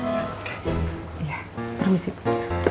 iya permisi pak